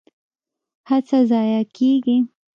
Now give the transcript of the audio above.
هڅه ضایع کیږي؟